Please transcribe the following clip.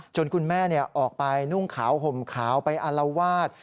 คุณแม่ออกไปนุ่งขาวห่มขาวไปอารวาส